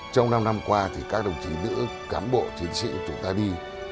trong năm năm qua thì các đồng chí nữ cám bộ chiến sĩ chúng ta đi